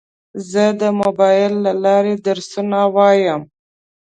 زه د موبایل له لارې درسونه وایم.